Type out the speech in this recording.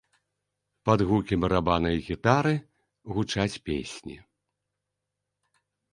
Пад гукі барабана і гітары гучаць песні.